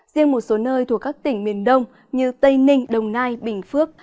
riêng một số nơi thuộc các tỉnh miền đông như tây ninh đồng nai bình phước